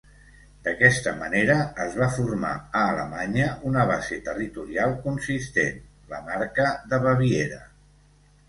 D'aquesta manera es va formar a Alemanya una base territorial consistent, la Marca de Baviera.